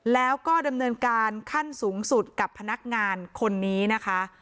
แล้วก็ดำเนินการขั้นสูงสุดกับพนักงานคนนี้นะคะ